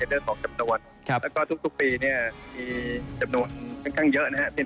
เรื่องของจำนวนแล้วก็ทุกปีเนี่ยมีจำนวนค่อนข้างเยอะนะครับ